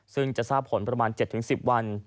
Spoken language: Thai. ซึ่งจะทราบผลประมาณ๗๑๐วัน